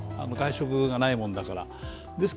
外食がないもんだから。